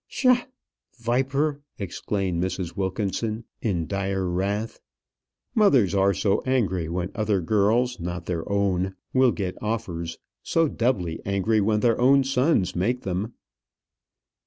"Psha! viper!" exclaimed Mrs. Wilkinson, in dire wrath. Mothers are so angry when other girls, not their own, will get offers; so doubly angry when their own sons make them.